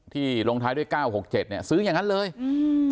ลงท้ายด้วยเก้าหกเจ็ดเนี้ยซื้ออย่างงั้นเลยอืม